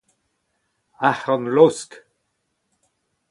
arc'hant laosk